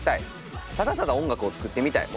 ただただ音楽を作ってみたい。